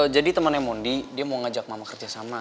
temannya mondi dia mau ngajak mama kerjasama